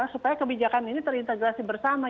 supaya kebijakan ini terintegrasi bersama